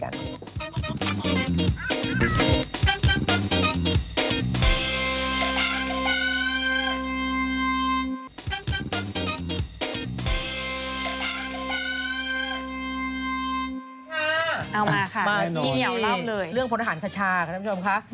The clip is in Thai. เอามาค่ะมาที่เหี่ยวเล่าเลยเรื่องพลทหารคชาค่ะท่านผู้ชมค่ะ